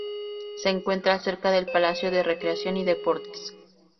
Se encuentra cerca del Palacio de Recreación y Deportes.